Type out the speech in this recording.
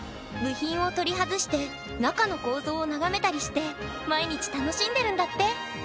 部品を取り外して中の構造を眺めたりして毎日楽しんでるんだって。